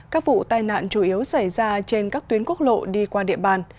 các vụ tai nạn chủ yếu xảy ra trên các tuyến quốc lộ đi qua địa bàn